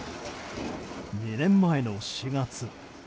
２年前の４月。